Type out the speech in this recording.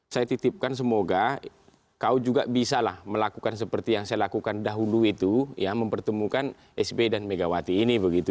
saya titipkan semoga kau juga bisa lah melakukan seperti yang saya lakukan dahulu itu ya mempertemukan sby dan megawati ini begitu